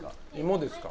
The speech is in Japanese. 芋ですか？